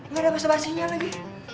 ga ada bahasa bahasinya lagi